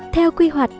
theo quy hoạch